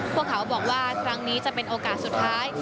พวกเขาบอกว่าครั้งนี้จะเป็นโอกาสสุดท้าย